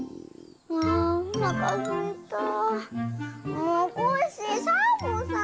もうコッシーサボさん。